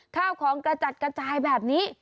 ข้าวของกระจัดกระจายแบบนี้